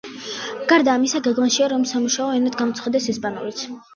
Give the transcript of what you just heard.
გარდა ამისა, გეგმაშია, რომ სამუშაო ენად გამოცხადდეს ესპანურიც.